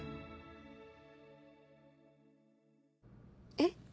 えっ？